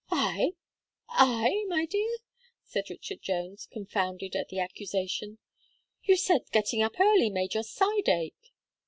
"I I my dear!" said Richard Jones, confounded at the accusation, "you said getting up early made your side ache."